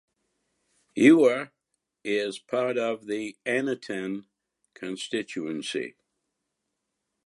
Ewa is part of the Anetan Constituency.